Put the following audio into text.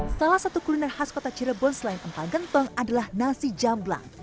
salah satu kuliner khas kota cirebon selain empal gentong adalah nasi jamblang